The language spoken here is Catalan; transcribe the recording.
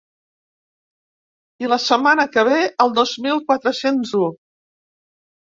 I la setmana que ve, el dos mil quatre-cents u.